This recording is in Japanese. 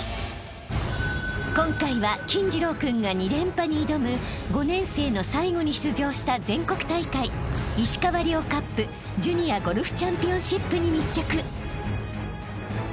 ［今回は金次郎君が２連覇に挑む５年生の最後に出場した全国大会石川遼カップジュニアゴルフチャンピオンシップに密着］